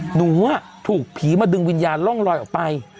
หนูถูกผีมาดึงวิญญาณร่องลอยออกไป